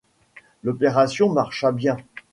L’opération marcha bien.